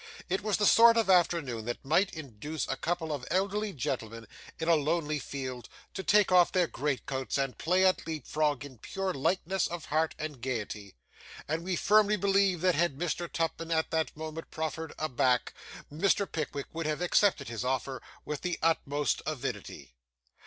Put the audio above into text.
It was the sort of afternoon that might induce a couple of elderly gentlemen, in a lonely field, to take off their greatcoats and play at leap frog in pure lightness of heart and gaiety; and we firmly believe that had Mr. Tupman at that moment proffered 'a back,' Mr. Pickwick would have accepted his offer with the utmost avidity.